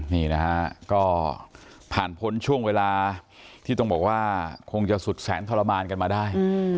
นี่นะฮะก็ผ่านพ้นช่วงเวลาที่ต้องบอกว่าคงจะสุดแสนทรมานกันมาได้